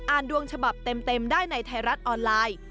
ดวงฉบับเต็มได้ในไทยรัฐออนไลน์